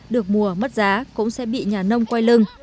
được mùa mất giá cũng sẽ bị nhà nông quay lưng